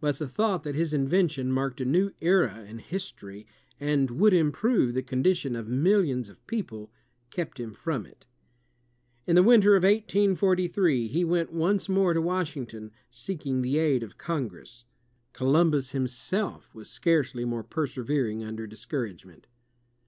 But the thought that his invention marked a new era in history, and would improve the condition of millions of pe(q)le, kept him from it. In the winter of 1843, ^^ went once more to Washington, seeking the aid of Congress. Co lumbus himself was scarcely more persevering under discouragement.